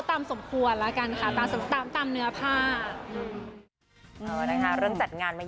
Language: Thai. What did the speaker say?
ทุกคนคาดหวังว่าต้องประหลักการ